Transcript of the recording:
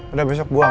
udah besok buang